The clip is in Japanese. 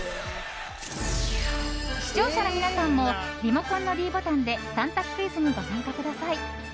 視聴者の皆さんもリモコンのｄボタンで３択クイズにご参加ください。